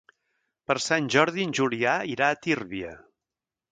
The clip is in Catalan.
Per Sant Jordi en Julià irà a Tírvia.